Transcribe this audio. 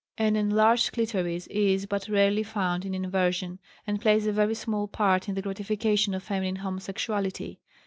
" An enlarged clitoris is but rarely found in inversion and plays a very small part in the gratification of feminine homosexuality.